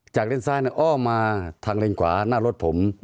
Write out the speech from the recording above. เลนซ้ายอ้อมมาทางเลนขวาหน้ารถผม